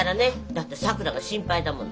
だってさくらが心配だもの。